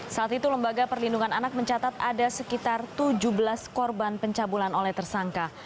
saat itu lembaga perlindungan anak mencatat ada sekitar tujuh belas korban pencabulan oleh tersangka